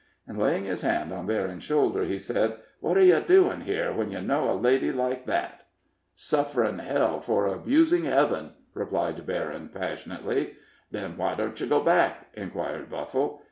And, laying his hand on Berryn's shoulder, he said, "What are yer doin' here, when yer know a lady like that?" "Suffering hell for abusing heaven,'" replied Berryn, passionately. "Then why don't yer go back?" inquired Buffle.